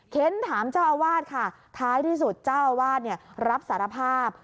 เค้นถามเจ้าอาวาสค่ะท้ายที่สุดเจ้าอาวาสรับสารภาพ